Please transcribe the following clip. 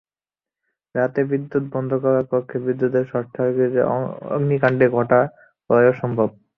রাতে বিদ্যুৎ বন্ধ করা কক্ষে বিদ্যুতের শর্টসার্কিটে অগ্নিকাণ্ড ঘটা প্রায় অসম্ভব।